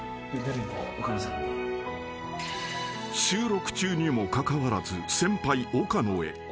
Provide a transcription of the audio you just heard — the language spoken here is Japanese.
［収録中にもかかわらず先輩岡野へ］